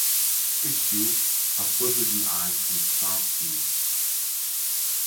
Pixiu have protruding eyes and sharp teeth.